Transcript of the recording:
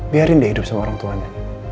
biarin dia hidup sama orang tuanya